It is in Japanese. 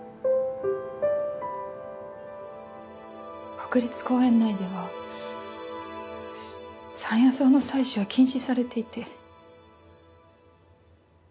国立公園内では山野草の採取は禁止されていて。